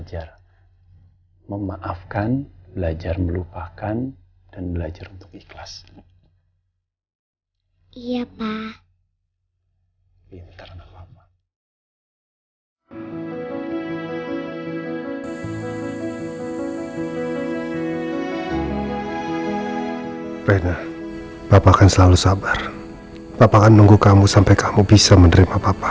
nanti kalau memang mau tidur di sini